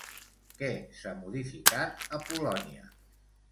Què s'ha modificat a Polònia?